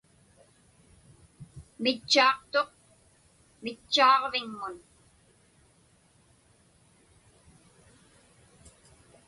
Mitchaaqtuq mitchaaġviŋmun.